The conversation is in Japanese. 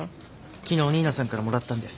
昨日新名さんからもらったんです。